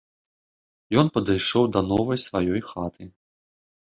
Ён падышоў да новай сваёй хаты.